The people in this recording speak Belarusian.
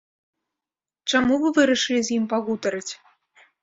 Чаму вы вырашылі з ім пагутарыць?